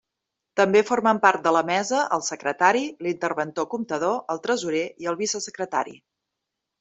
També formen part de la mesa el secretari, l'interventor comptador, el tresorer i el vicesecretari.